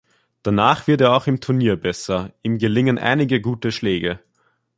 Danach wird er auch im Turnier besser, ihm gelingen einige gute Schläge.